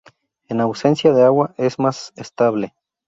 En ausencia de agua es más estable.